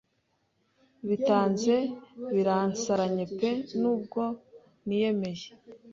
Bitanze biransaranye pe nubwo niyemeye